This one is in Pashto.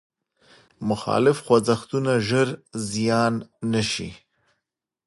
مخالف خوځښتونه ژر زیان نه شي.